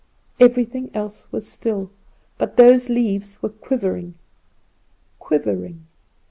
Everything else was still; but those leaves were quivering, quivering.